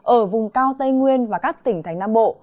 ở vùng cao tây nguyên và các tỉnh thành nam bộ